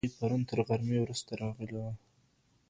هغوی پرون تر غرمې وروسته راغلي وه.